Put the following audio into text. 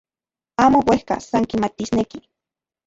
Amo uejka, san kimatisneki.